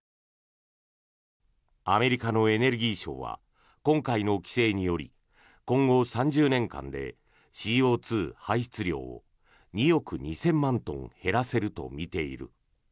アメリカのエネルギー省は今回の規制により今後３０年間でＣＯ２排出量を２億２０００万トン減らせるとみている。